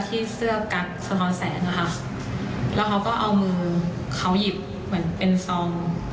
เหมือนเรานั่งขับรถอยู่ใช่ไหมคะเขาก็เอื้อมจากกระจกไปข้างหลัง